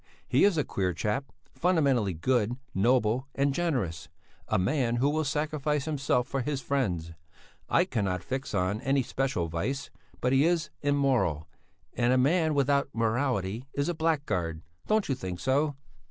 He is a queer chap, fundamentally good, noble and generous; a man who will sacrifice himself for his friends. I cannot fix on any special vice, but he is immoral, and a man without morality is a blackguard don't you think so?